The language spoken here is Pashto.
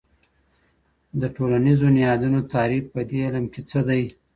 د ټولنیزو نهادونو تعریف په دې علم کې څه دی؟